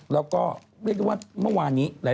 แล้วก็เรียกได้ว่าเมื่อวานนี้